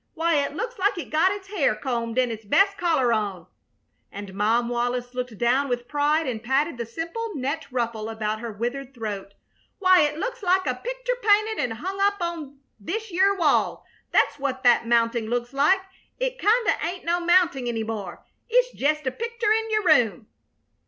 Why, it looks like it got its hair combed an' its best collar on!" And Mom Wallis looked down with pride and patted the simple net ruffle about her withered throat. "Why, it looks like a picter painted an' hung up on this yere wall, that's what that mounting looks like! It kinda ain't no mounting any more; it's jest a picter in your room!"